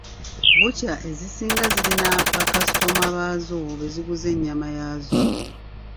Bbukya ezisinga zirina ba kaasitoma baazo be ziguza ennyama yaazo.